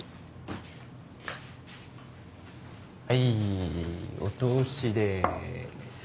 はいお通しです。